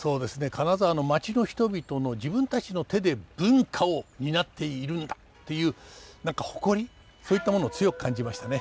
金沢の町の人々の自分たちの手で文化を担っているんだという何か誇りそういったものを強く感じましたね。